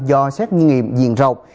do xét nghiệm diện rộng